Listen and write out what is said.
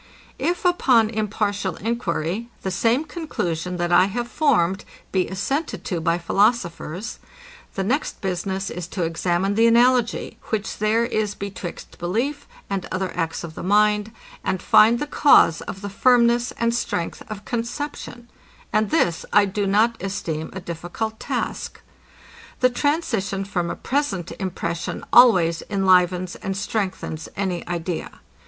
If, upon impartial enquiry, the same conclusion, that I have formed, be assented to by philosophers, the next business is to examine the analogy, which there is betwixt belief, and other acts of the mind, and find the cause of the firmness and strength of conception: And this I do not esteem a difficult task. The transition from a present impression, always enlivens and strengthens any idea.